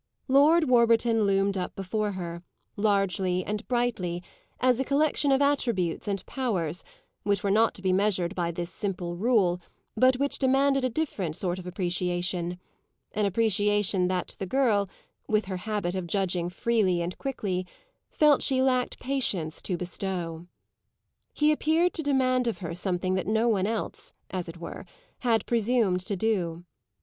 Lord Warburton loomed up before her, largely and brightly, as a collection of attributes and powers which were not to be measured by this simple rule, but which demanded a different sort of appreciation an appreciation that the girl, with her habit of judging quickly and freely, felt she lacked patience to bestow. He appeared to demand of her something that no one else, as it were, had presumed to do.